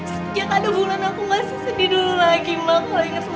setiap ada bulan aku masih sedih dulu lagi ma kalau inget luna